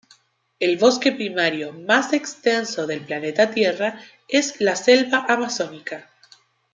El bosque primario más extenso del planeta Tierra es la Selva Amazónica.